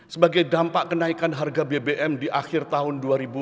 sebagai dampak kenaikan harga bbm di akhir tahun dua ribu dua puluh